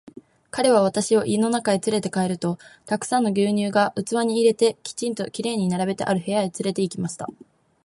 彼は私を家の中へつれて帰ると、たくさんの牛乳が器に入れて、きちんと綺麗に並べてある部屋へつれて行きました。